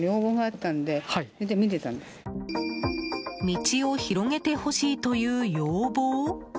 道を広げてほしいという要望？